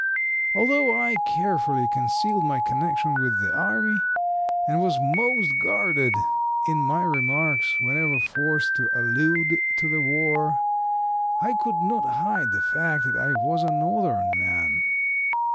Although I carefully concealed my connection with the army, and was most guarded in my remarks whenever forced to allude to the war, I could not hide the fact that I was a Northern man.